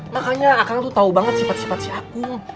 makanya akang tuh tau banget sifat sifat si akung